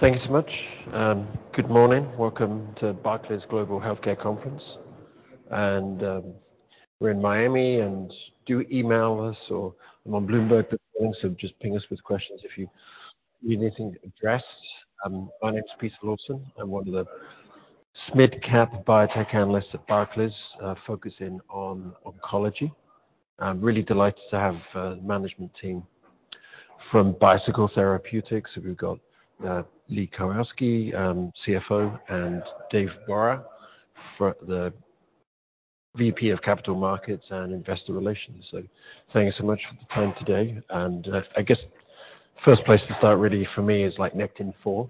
Thank you so much. Good morning. Welcome to Barclays Global Healthcare Conference. We're in Miami, and do email us or I'm on Bloomberg as well, so just ping us with questions if you need anything addressed. My name is Peter Lawson. I'm one of the mid-cap biotech analysts at Barclays, focusing on oncology. I'm really delighted to have management team from Bicycle Therapeutics. We've got Alethia Young, CFO, and David Borah for the VP of Capital Markets and Investor Relations. Thank you so much for the time today. I guess first place to start really for me is like Nectin-4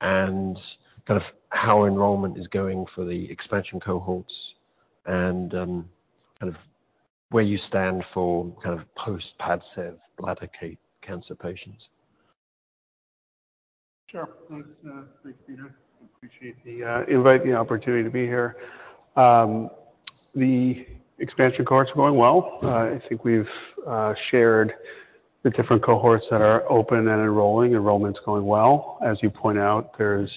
and kind of how enrollment is going for the expansion cohorts and kind of where you stand for kind of post PADCEV bladder cancer patients. Sure. Thanks, Peter. I appreciate the invite and the opportunity to be here. The expansion cohorts are going well. I think we've shared the different cohorts that are open and enrolling. Enrollment's going well. As you point out, there's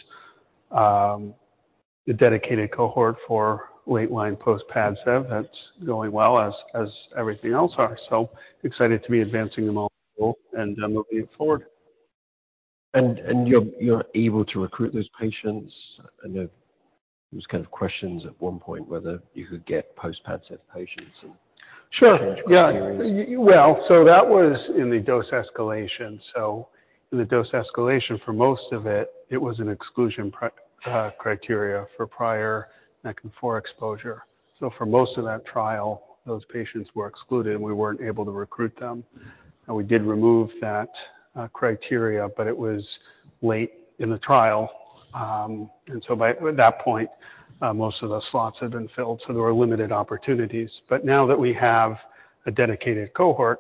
the dedicated cohort for late line post PADCEV that's going well as everything else are. Excited to be advancing them all and moving it forward. You're able to recruit those patients. I know there was kind of questions at one point whether you could get post PADCEV patients. Sure. change criteria. Well, that was in the dose escalation. In the dose escalation, for most of it was an exclusion criteria for prior Nectin-4 exposure. For most of that trial, those patients were excluded, and we weren't able to recruit them. We did remove that criteria, but it was late in the trial. At that point, most of the slots had been filled, so there were limited opportunities. Now that we have a dedicated cohort,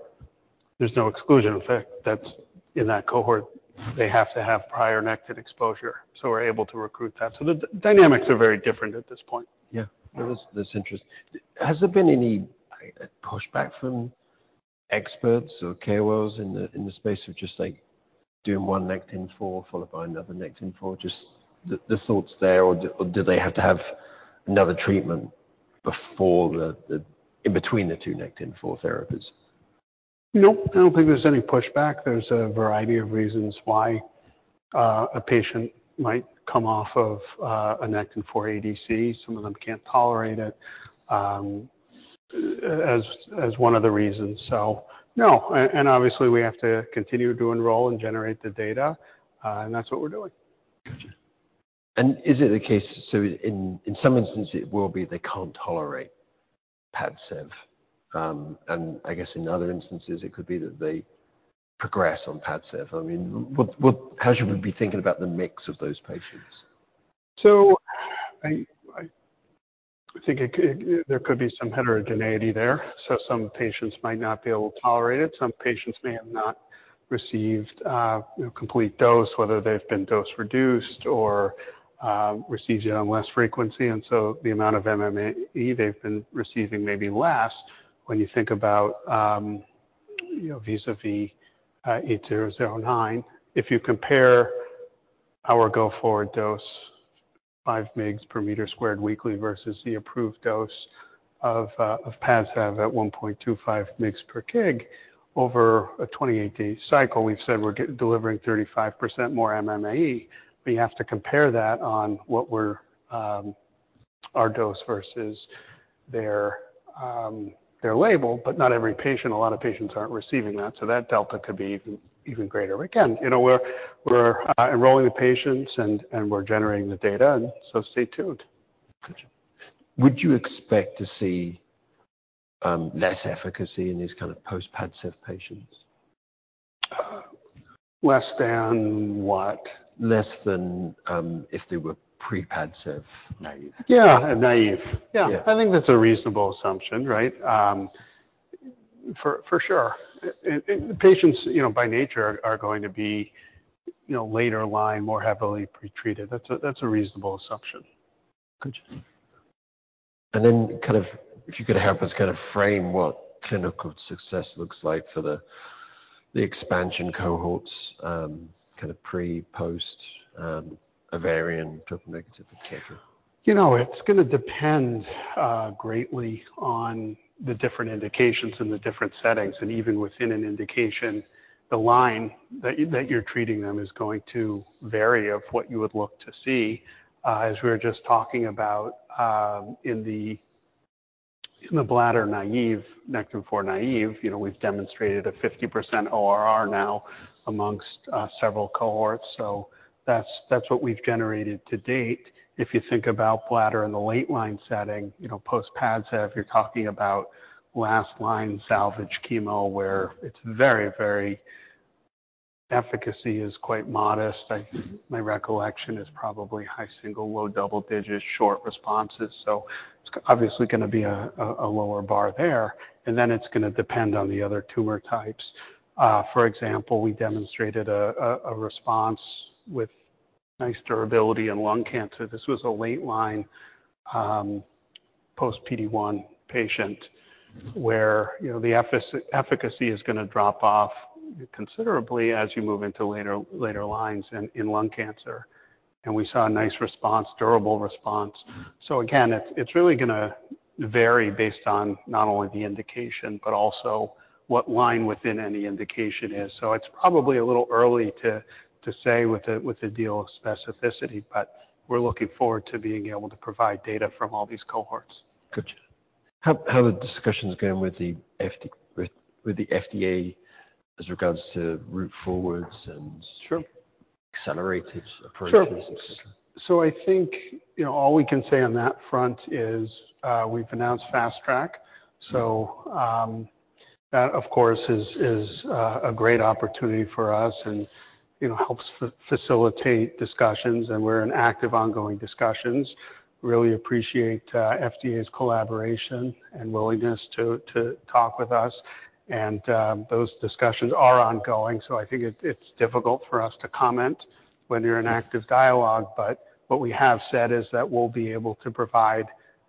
there's no exclusion. In fact, that's in that cohort, they have to have prior Nectin exposure, so we're able to recruit that. The dynamics are very different at this point. Yeah. Has there been any pushback from experts or KOLs in the space of just like doing one Nectin-4 followed by another Nectin-4? Just the thoughts there or do they have to have another treatment before in between the two Nectin-4 therapies? Nope. I don't think there's any pushback. There's a variety of reasons why a patient might come off of a Nectin-4 ADC. Some of them can't tolerate it, as one of the reasons. No. Obviously, we have to continue to enroll and generate the data, and that's what we're doing. Gotcha. Is it the case. In some instances, it will be they can't tolerate PADCEV. I guess in other instances, it could be that they progress on PADCEV. I mean, what... how should we be thinking about the mix of those patients? I think there could be some heterogeneity there. Some patients might not be able to tolerate it. Some patients may have not received, you know, complete dose, whether they've been dose-reduced or received it on less frequency. The amount of MMAE they've been receiving may be less when you think about, you know, vis-à-vis BT8009. If you compare our go-forward dose, 5 mgs per meter squared weekly versus the approved dose of PADCEV at 1.25 mgs per kg over a 28-day cycle, we're delivering 35% more MMAE. We have to compare that on what we're our dose versus their their label, but not every patient, a lot of patients aren't receiving that. That delta could be even greater. You know, we're enrolling the patients and we're generating the data, stay tuned. Gotcha. Would you expect to see, less efficacy in these kind of post PADCEV patients? Less than what? Less than, if they were pre-PADCEV. Naïve. Yeah. Naïve. Yeah. Yeah. I think that's a reasonable assumption, right? for sure. Patients, you know, by nature are going to be, you know, later line, more heavily pretreated. That's a reasonable assumption. Gotcha. kind of if you could help us kind of frame what clinical success looks like for the expansion cohorts, kind of pre, post, ovarian triple negative, et cetera. You know, it's gonna depend greatly on the different indications and the different settings, and even within an indication, the line that you're treating them is going to vary of what you would look to see. As we were just talking about, in the bladder naïve, Nectin-4 naïve, you know, we've demonstrated a 50% ORR now amongst several cohorts. That's what we've generated to date. If you think about bladder in the late-line setting, you know, post PADCEV, you're talking about last-line salvage chemo, where it's very efficacy is quite modest. My recollection is probably high single, low double digits, short responses. It's obviously gonna be a lower bar there. It's gonna depend on the other tumor types. For example, we demonstrated a response with nice durability in lung cancer. This was a late line, Post PD-1 patient where, you know, the efficacy is going to drop off considerably as you move into later lines in lung cancer. We saw a nice response, durable response. Again, it's really going to vary based on not only the indication but also what line within any indication is. It's probably a little early to say with the deal specificity, but we're looking forward to being able to provide data from all these cohorts. Gotcha. How are discussions going with the FDA as regards to route forwards and-? Sure. accelerated approaches, et cetera? Sure. I think, you know, all we can say on that front is, we've announced Fast Track. That of course is a great opportunity for us and, you know, helps facilitate discussions, and we're in active, ongoing discussions. Really appreciate FDA's collaboration and willingness to talk with us. Those discussions are ongoing, I think it's difficult for us to comment when you're in active dialogue. What we have said is that we'll be able to provide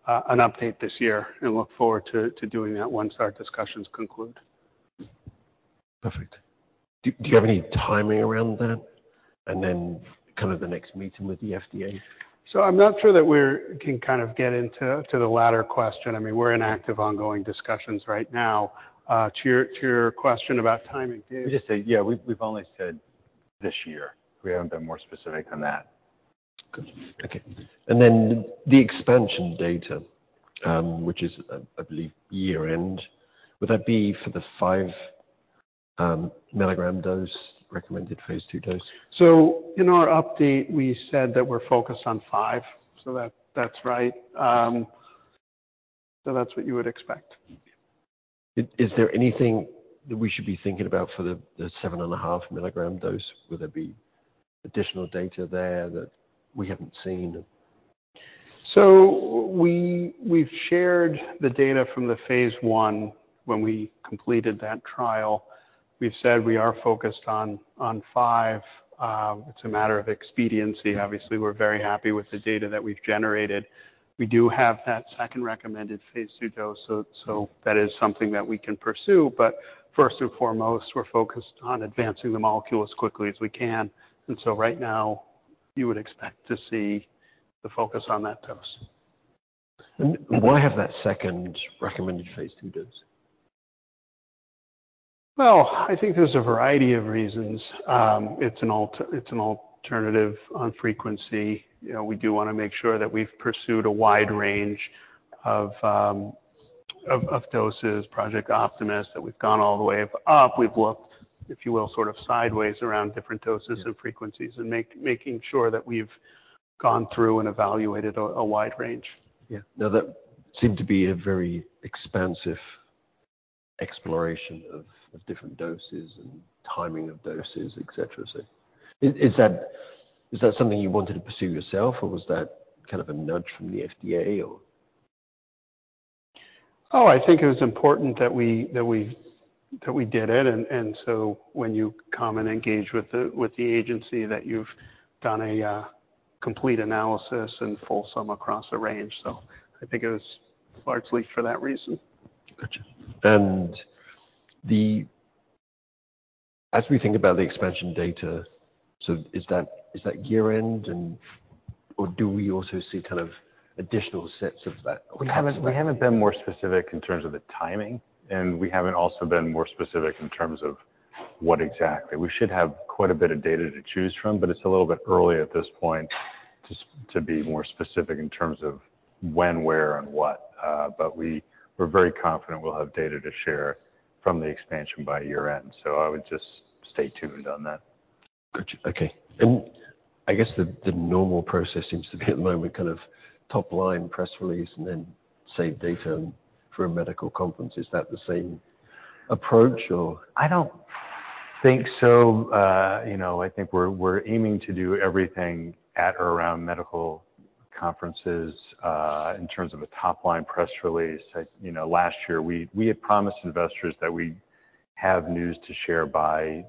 an update this year and look forward to doing that once our discussions conclude. Perfect. Do you have any timing around that and then kind of the next meeting with the FDA? I'm not sure that we're can kind of get into the latter question. I mean, we're in active, ongoing discussions right now. To your question about timing, Dave? Just say, yeah, we've only said this year. We haven't been more specific than that. Good. Okay. The expansion data, which is, I believe year-end, would that be for the 5 mg dose, recommended phase II dose? In our update we said that we're focused on five. That's right. That's what you would expect. Is there anything that we should be thinking about for the seven and a 0.5 mg dose? Will there be additional data there that we haven't seen? We've shared the data from the phase I when we completed that trial. We've said we are focused on five. It's a matter of expediency. Obviously, we're very happy with the data that we've generated. We do have that second recommended phase II dose, so that is something that we can pursue. First and foremost, we're focused on advancing the molecule as quickly as we can. Right now you would expect to see the focus on that dose. why have that second recommended phase II dose? Well, I think there's a variety of reasons. It's an alternative on frequency. You know, we do want to make sure that we've pursued a wide range of doses, Project Optimist, that we've gone all the way up. We've looked, if you will, sort of sideways around different doses and frequencies and making sure that we've gone through and evaluated a wide range. Yeah. That seemed to be a very expansive exploration of different doses and timing of doses, et cetera. Is that something you wanted to pursue yourself, or was that kind of a nudge from the FDA or? I think it was important that we did it, when you come and engage with the agency that you've done a complete analysis and fulsome across a range. I think it was largely for that reason. Gotcha. As we think about the expansion data, so is that year-end or do we also see kind of additional sets of that? We haven't been more specific in terms of the timing. We haven't also been more specific in terms of what exactly. We should have quite a bit of data to choose from, it's a little bit early at this point to be more specific in terms of when, where, and what. We're very confident we'll have data to share from the expansion by year-end. I would just stay tuned on that. Gotcha. Okay. I guess the normal process seems to be at the moment, kind of top line press release and then save data for a medical conference. Is that the same approach or? I don't think so. You know, I think we're aiming to do everything at or around medical conferences. In terms of a top line press release, you know, last year we had promised investors that we'd have news to share by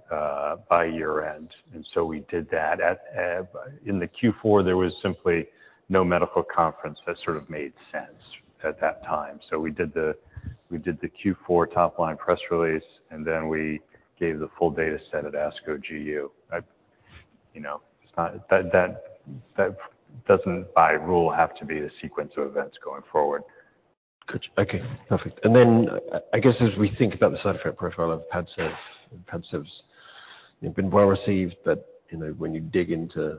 year-end. We did that. In the Q4, there was simply no medical conference that sort of made sense at that time. We did the Q4 top line press release, then we gave the full data set at ASCO GU. You know, it's not. That doesn't by rule have to be the sequence of events going forward. Gotcha. Okay. Perfect. I guess as we think about the side effect profile of PADCEV's, you know, been well received, but, you know, when you dig into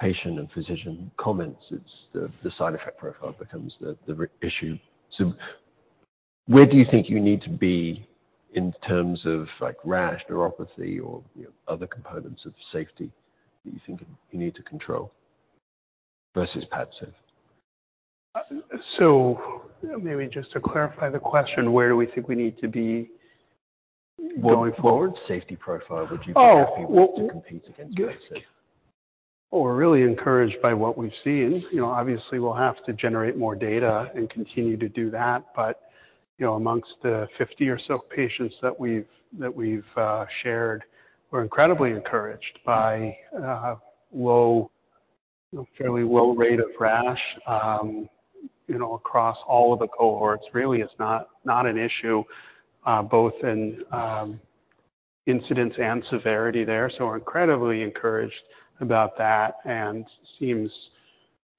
patient and physician comments, it's the side effect profile becomes the issue. Where do you think you need to be in terms of like rash, neuropathy or, you know, other components of safety that you think you need to control versus PADCEV? Maybe just to clarify the question, where do we think we need to be going forward? Safety profile. Would you be happy with- Oh. to compete against PADCEV? Well, we're really encouraged by what we've seen. You know, obviously we'll have to generate more data and continue to do that. You know, amongst the 50 or so patients that we've shared, we're incredibly encouraged by low, fairly low rate of rash, you know, across all of the cohorts. Really, it's not an issue, both in incidence and severity there. We're incredibly encouraged about that and seems,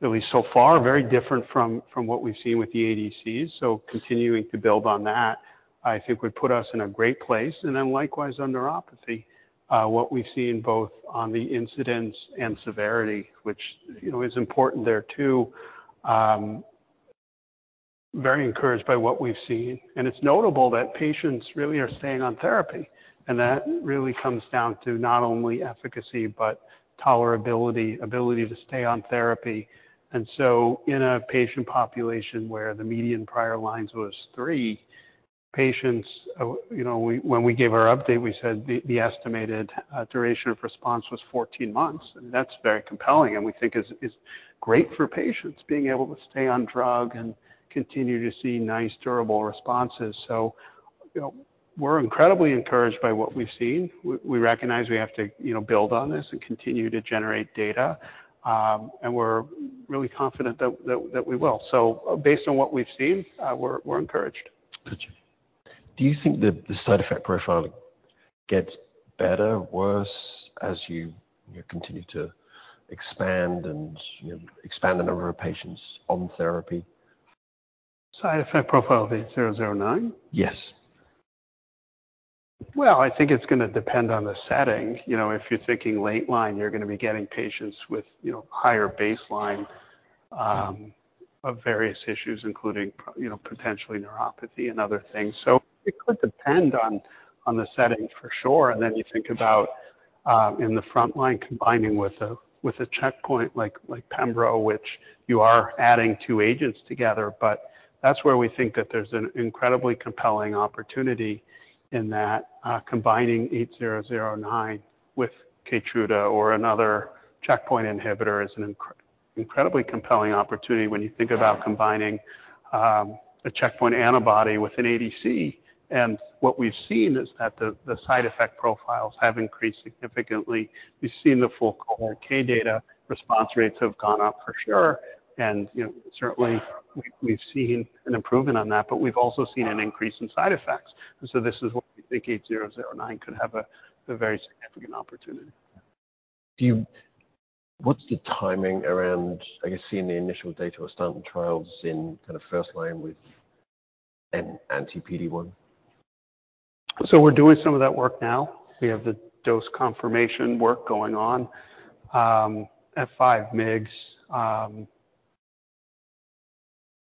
at least so far, very different from what we've seen with the ADCs. Continuing to build on that, I think, would put us in a great place. Likewise on neuropathy, what we've seen both on the incidence and severity, which, you know, is important there too. Very encouraged by what we've seen. It's notable that patients really are staying on therapy, and that really comes down to not only efficacy, but tolerability, ability to stay on therapy. In a patient population where the median prior lines was three, patients, when we gave our update, we said the estimated duration of response was 14 months. That's very compelling, and we think is great for patients being able to stay on drug and continue to see nice durable responses. We're incredibly encouraged by what we've seen. We recognize we have to build on this and continue to generate data. We're really confident that we will. Based on what we've seen, we're encouraged. Got you. Do you think the side effect profile gets better, worse as you continue to expand and, you know, expand the number of patients on therapy? Side effect profile of 8009? Yes. I think it's gonna depend on the setting. You know, if you're thinking late line, you're gonna be getting patients with, you know, higher baseline of various issues, including, you know, potentially neuropathy and other things. It could depend on the setting for sure. You think about in the front line, combining with a checkpoint like pembro, which you are adding two agents together. That's where we think that there's an incredibly compelling opportunity in that combining BT8009 with KEYTRUDA or another checkpoint inhibitor is an incredibly compelling opportunity when you think about combining a checkpoint antibody with an ADC. What we've seen is that the side effect profiles have increased significantly. We've seen the full cohort K data. Response rates have gone up for sure. You know, certainly we've seen an improvement on that, but we've also seen an increase in side effects. This is where we think 8009 could have a very significant opportunity. What's the timing around, I guess, seeing the initial data or starting trials in kind of first line with an anti-PD-1? We're doing some of that work now. We have the dose confirmation work going on, at 5 migs,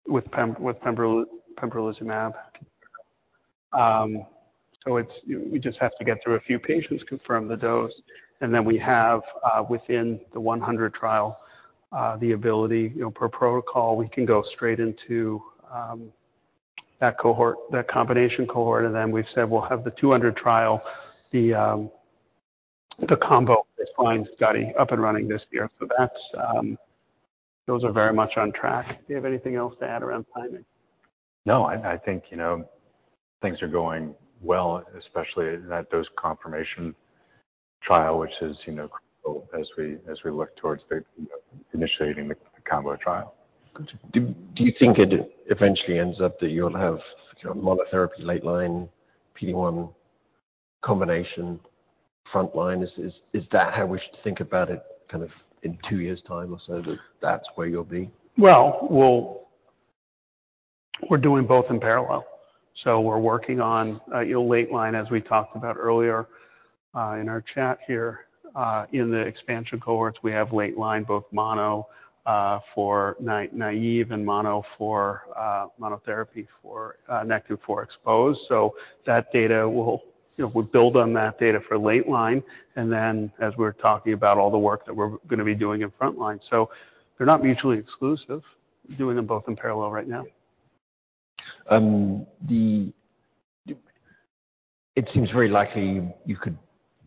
with pembrolizumab. We just have to get through a few patients, confirm the dose, and then we have, within the 100 trial, the ability, you know, per protocol, we can go straight into that cohort, that combination cohort. We've said we'll have the 200 trial, the combo with blind study up and running this year. That's, those are very much on track. Do you have anything else to add around timing? No, I think, you know, things are going well, especially that dose confirmation trial, which is, you know, critical as we look towards the initiating the combo trial. Do you think it eventually ends up that you'll have monotherapy late line PD-1 combination front line? Is that how we should think about it kind of in two years' time or so, that's where you'll be? Well, we're doing both in parallel. We're working on, you know, late line, as we talked about earlier, in our chat here. In the expansion cohorts, we have late line, both mono, for naive and mono for monotherapy for Nectin-4 exposed. That data will, you know, we build on that data for late line and then as we're talking about all the work that we're gonna be doing in front line. They're not mutually exclusive, doing them both in parallel right now. It seems very likely you could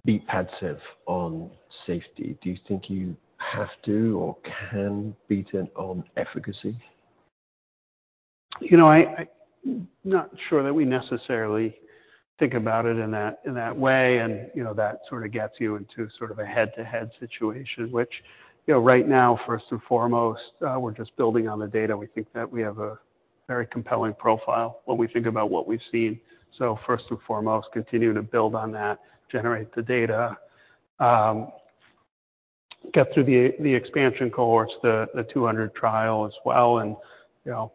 beat PADCEV on safety. Do you think you have to or can beat it on efficacy? You know, I Not sure that we necessarily think about it in that, in that way. You know, that sort of gets you into sort of a head-to-head situation, which, you know, right now, first and foremost, we're just building on the data. We think that we have a very compelling profile when we think about what we've seen. First and foremost, continue to build on that, generate the data, get through the expansion cohorts, the 200 trial as well and, you know,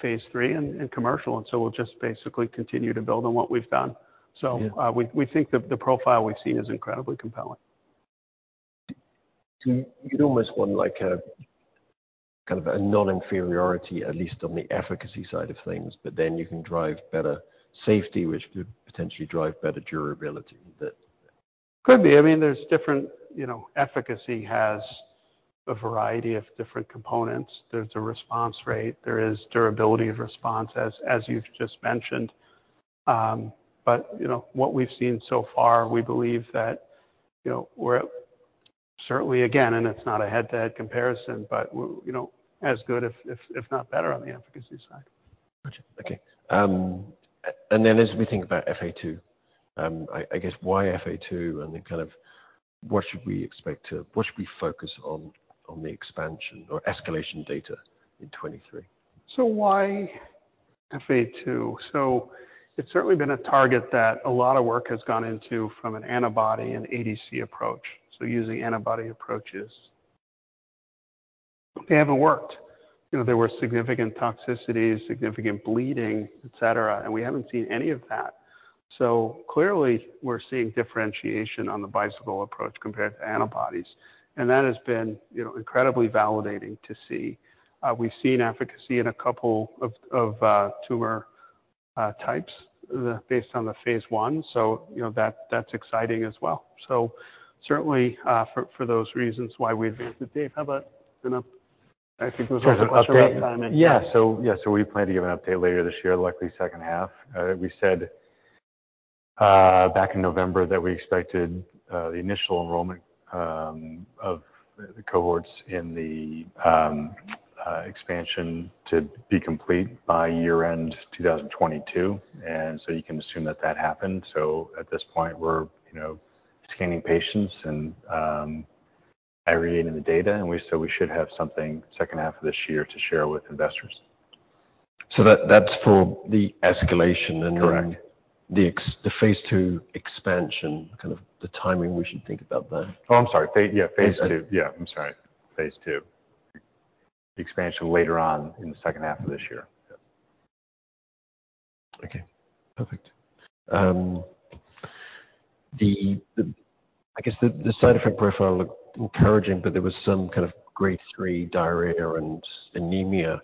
phase III and commercial. We'll just basically continue to build on what we've done. Yeah. We think the profile we've seen is incredibly compelling. You'd almost want like a, kind of a non-inferiority, at least on the efficacy side of things, but then you can drive better safety, which could potentially drive better durability. That. Could be. I mean, there's different, you know, efficacy has a variety of different components. There's a response rate, there is durability of response, as you've just mentioned. You know, what we've seen so far, we believe that, you know, we're certainly, again, and it's not a head-to-head comparison, but you know, as good if not better on the efficacy side. Gotcha. Okay. As we think about EphA2, why EphA2 and then kind of what should we expect? What should we focus on the expansion or escalation data in 2023? Why EphA2? It's certainly been a target that a lot of work has gone into from an antibody and ADC approach, so using antibody approaches. They haven't worked. You know, there were significant toxicities, significant bleeding, etcetera, and we haven't seen any of that. Clearly, we're seeing differentiation on the Bicycle approach compared to antibodies, and that has been, you know, incredibly validating to see. We've seen efficacy in a couple of tumor types, based on the phase I. You know, that's exciting as well. Certainly, for those reasons why we advanced it. Dave, how about I think there was a question about timing. In terms of update? Yeah. So we plan to give an update later this year, likely second half. We said back in November that we expected the initial enrollment of the cohorts in the expansion to be complete by year-end 2022. You can assume that that happened. At this point we're, you know, scanning patients and aggregating the data. We should have something second half of this year to share with investors. That's for the escalation and then. Correct. The phase II expansion, kind of the timing we should think about then. Oh, I'm sorry. Yeah, phase II. Yeah, I'm sorry. Phase II. The expansion later on in the second half of this year. Yeah. Okay. Perfect. I guess the side effect profile looked encouraging, but there was some kind of grade three diarrhea and anemia.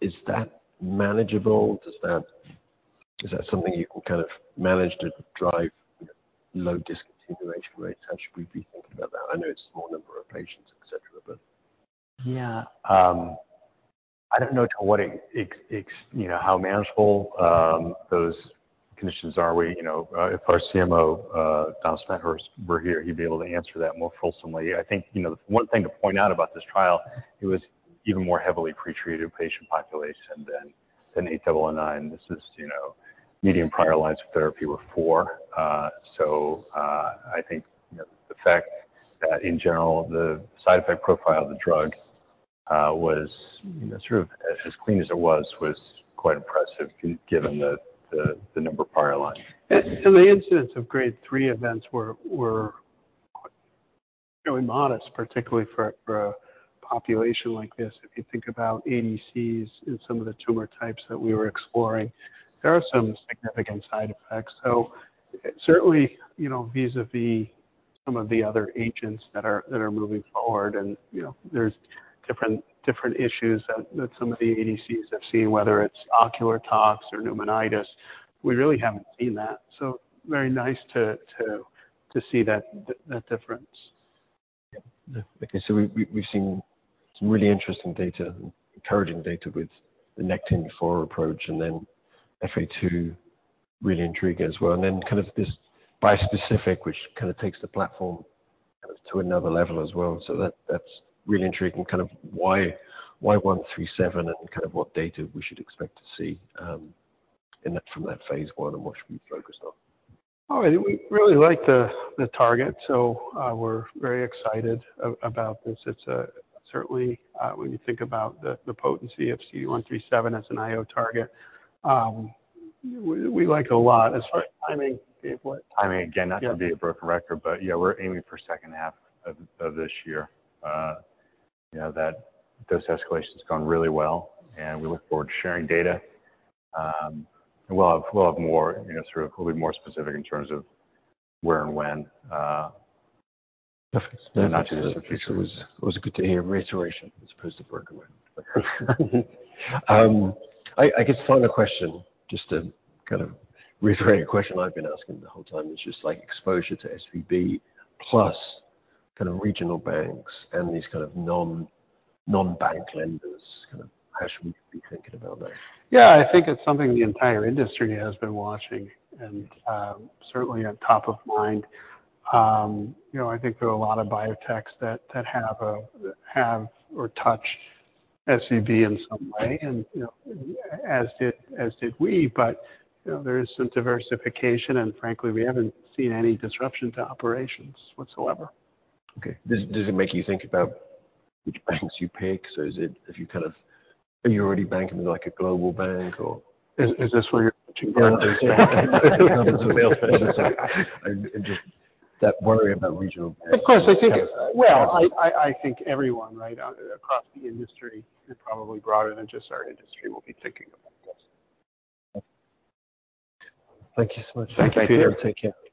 Is that manageable? Is that something you can kind of manage to drive, you know, low discontinuation rates? How should we be thinking about that? I know it's a small number of patients, etcetera, but. I don't know to what You know, how manageable those conditions are. We, you know, if our CMO, Eric Westin were here, he'd be able to answer that more fulsomely. I think, you know, the one thing to point out about this trial, it was even more heavily pre-treated patient population than A double O nine. This is, you know, median prior lines of therapy were four. I think, you know, the fact that in general the side effect profile of the drug was, you know, sort of as clean as it was quite impressive given the number of prior lines. The incidence of grade three events were fairly modest, particularly for a population like this. If you think about ADCs in some of the tumor types that we were exploring, there are some significant side effects. Certainly, you know, vis-a-vis some of the other agents that are moving forward and, you know, there's different issues that some of the ADCs have seen, whether it's ocular tox or pneumonitis. We really haven't seen that. Very nice to see that difference. Yeah. No. Okay. We've seen some really interesting data and encouraging data with the Nectin-4 approach. EphA2, really intriguing as well. Kind of this bispecific, which kind of takes the platform kind of to another level as well. That's really intriguing, kind of why 137 and kind of what data we should expect to see from that phase I and what should we be focused on? We really like the target. We're very excited about this. It's certainly when you think about the potency of CD137 as an IO target, we like a lot. As far as timing, Dave, what timing? Timing, again, not to be a broken record, yeah, we're aiming for second half of this year. You know, that dose escalation's gone really well, we look forward to sharing data. We'll have more, you know, sort of we'll be more specific in terms of where and when. Perfect. Not just the future. It was a good to hear a reiteration as opposed to broken record. I guess final question, just to kind of rephrase a question I've been asking the whole time is just like exposure to SVB plus kind of regional banks and these kind of non-bank lenders, kind of how should we be thinking about that? Yeah. I think it's something the entire industry has been watching and, certainly on top of mind. You know, I think there are a lot of biotechs that have or touched SVB in some way and, you know, as did we. You know, there is some diversification and frankly, we haven't seen any disruption to operations whatsoever. Okay. Does it make you think about which banks you pick? Is it... Have you kind of... Are you already banking with like a global bank or? Is this where you're pitching Barclays? It's a whale of a sorry. just that worry about regional banks... Of course, Well, I think everyone, right, across the industry and probably broader than just our industry will be thinking about this. Thank you so much. Thank you. Thank you. Take care.